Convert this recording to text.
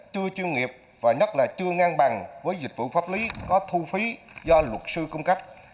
chưa chuyên nghiệp và nhất là chưa ngang bằng với dịch vụ pháp lý có thu phí do luật sư cung cấp